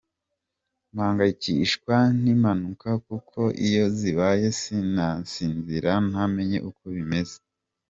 Mpangayikishwa n’impanuka, kuko iyo zibaye sinasinzira ntamenye uko bimeze.